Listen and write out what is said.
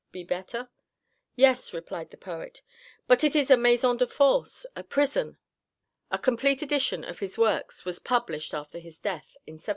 be better?" "Yes," replied the poet, "but it is a maison de force, a prison!" A complete edition of his works was published after his death in 1751.